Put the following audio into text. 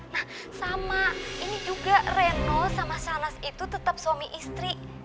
nah sama ini juga reno sama sanas itu tetap suami istri